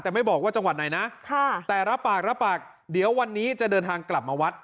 แต่ไม่บอกว่าจังหวัดไหนนะแต่รับปากรับปากเดี๋ยววันนี้จะเดินทางกลับมาวัด